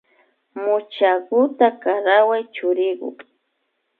Muchakuta karaway churiku